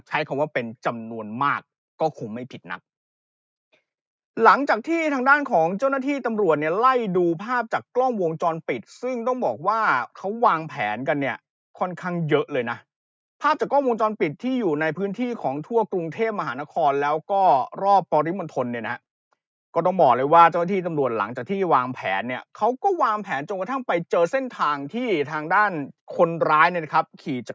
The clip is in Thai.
ใช้คำว่าเป็นจำนวนมากก็คงไม่ผิดนับหลังจากที่ทางด้านของเจ้าหน้าที่ตำรวจเนี้ยไล่ดูภาพจากกล้องวงจรปิดซึ่งต้องบอกว่าเขาวางแผนกันเนี้ยค่อนข้างเยอะเลยน่ะภาพจากกล้องวงจรปิดที่อยู่ในพื้นที่ของทั่วกรุงเทพมหานครแล้วก็รอบปริมณฑลเนี้ยนะก็ต้องบอกเลยว่าเจ้าหน้าที่ตำรวจหลังจ